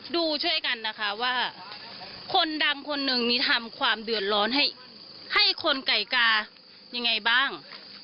ดูช่วยกันนะคะว่าคนดังคนหนึ่งนี่ทำความเดือดร้อนให้คนไก่กายังไงบ้าง